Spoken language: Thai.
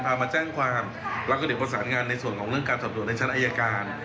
เอามาแจ้งความแล้วก็เดี๋ยวประสานงานในส่วนของเรื่องการสอบสวนในชั้นอายการ